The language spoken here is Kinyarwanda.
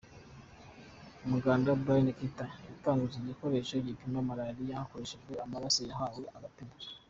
Umuganda, Brian Gitta yatanguje igikoresho gipima malaria hadakoreshejwe amaraso, yahawe agashimwe.